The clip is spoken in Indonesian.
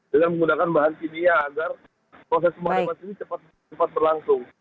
dengan menggunakan bahan kimia agar proses pemakai bahan semi cepat berlangsung